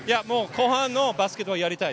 後半のバスケットをやりたい。